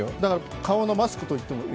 体のマスクと言っても。